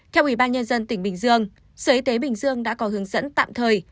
theo ubnd tỉnh bình dương sở y tế bình dương đã có hướng dẫn tạm thời